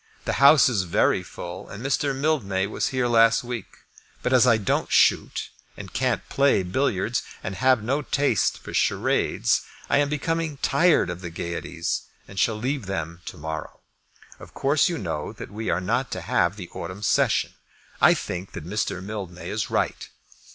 The house is very full, and Mr. Mildmay was here last week; but as I don't shoot, and can't play billiards, and have no taste for charades, I am becoming tired of the gaieties, and shall leave them to morrow. Of course you know that we are not to have the autumn session. I think that Mr. Mildmay is right.